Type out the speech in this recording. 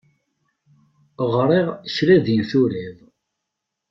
Ɣriɣ kra din turiḍ.